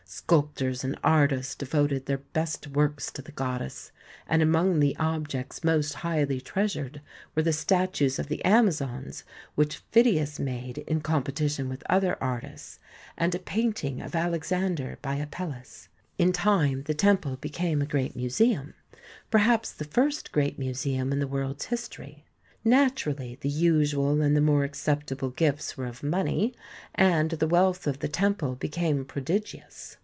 Sculptors and artists de voted their best works to the goddess, and among the objects most highly treasured were the statues n6 THE SEVEN WONDERS of the Amazons which Phidias made in competi tion with other artists, and a painting of Alexander by Apelles. In time the temple became a great museum, perhaps the first great museum in the world's history. Naturally the usual and the more acceptable gifts were of money, and the wealth of the temple became prodigious.